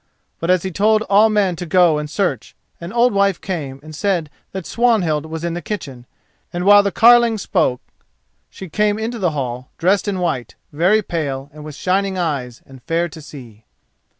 But as he told all men to go and search, an old wife came and said that Swanhild was in the kitchen, and while the carline spoke she came into the hall, dressed in white, very pale, and with shining eyes and fair to see.